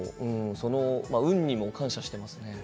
その運にも感謝しています。